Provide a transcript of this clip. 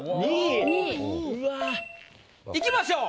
うわ。いきましょう。